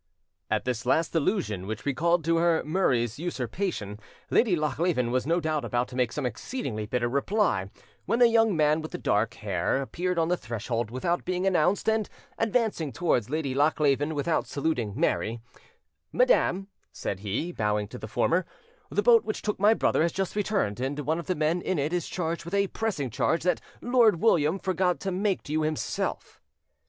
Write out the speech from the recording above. At this last allusion, which recalled to her Murray's usurpation, Lady Lochleven was no doubt about to make some exceedingly bitter reply, when the young man with the dark hair appeared on the threshold, without being announced, and, advancing towards Lady Lochleven, without saluting Mary— "Madam," said he, bowing to the former, "the boat which took my brother has just returned, and one of the men in it is charged with a pressing charge that Lord William forgot to make to you himself."